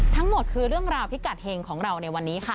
ทั้งหมดคือเรื่องราวพิกัดเฮงของเราในวันนี้ค่ะ